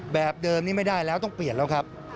แบบเดิมนี้ไม่ได้แล้วต้องเปลี่ยนแล้วครับ